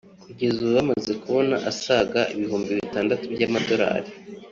kugeza ubu bamaze kubona asaga ibihumbi bitandatu by’amadolari